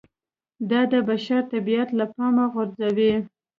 دا د بشر طبیعت له پامه غورځوي